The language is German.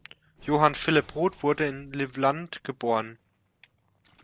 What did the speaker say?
Johann Philipp Roth wurde in Livland geboren.